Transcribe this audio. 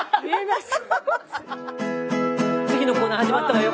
次のコーナー始まったわよ。